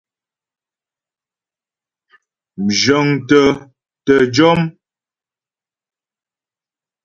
Mzhə̌ŋtə tə jɔ́m.